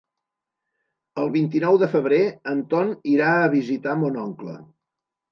El vint-i-nou de febrer en Ton irà a visitar mon oncle.